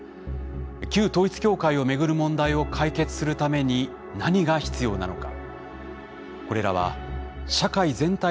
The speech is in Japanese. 旧統一教会をめぐる問題を解決するために何が必要なのか。